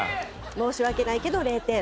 申し訳ないけど０点です。